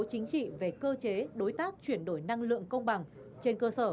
chính trị về cơ chế đối tác chuyển đổi năng lượng công bằng trên cơ sở